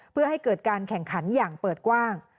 เพื่อให้เกิดการแข่งขันอย่างเปิดกว้าง